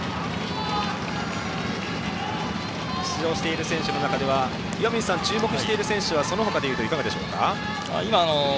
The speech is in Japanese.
出場している選手の中で注目している選手はそのほかでいうといかがでしょうか？